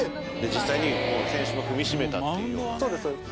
実際に選手も踏み締めたってそうです。